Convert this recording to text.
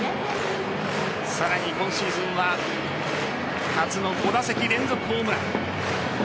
さらに今シーズンは初の５打席連続ホームラン。